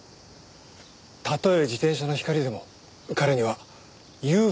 たとえ自転車の光でも彼にはＵＦＯに見えるんです。